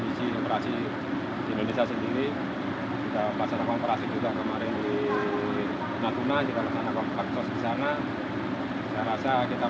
di indonesia sendiri kita memaksanakan operasi itu kemarin di natuna